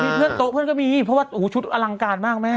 มีเพื่อนโต๊ะเพื่อนก็มีเพราะว่าชุดอลังการมากแม่